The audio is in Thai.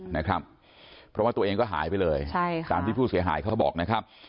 เพราะว่าตัวเองก็หายไปเลยตามที่ผู้เสียหายเขาบอกนะครับ